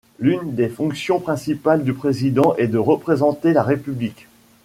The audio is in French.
L'une des fonctions principales du président est de représenter la République.